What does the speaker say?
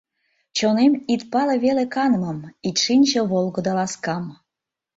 Чонем, ит пале веле канымым, Ит шинче волгыдо ласкам.